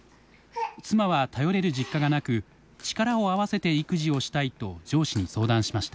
妻は頼れる実家がなく力を合わせて育児をしたいと上司に相談しました。